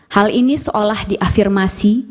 hal ini seolah diafirmasi